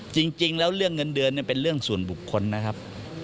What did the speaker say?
จริงแล้วเรื่องเงินเดือนเป็นเรื่องส่วนบุคคลนะครับ